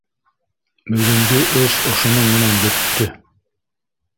Бөгөнгә эш ошоноң менән бөттө.